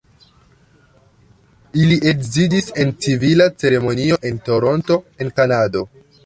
Ili edziĝis en civila ceremonio en Toronto en Kanado.